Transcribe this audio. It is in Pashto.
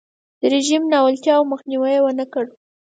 د رژیم ناولتیاوو مخنیوی یې ونکړ.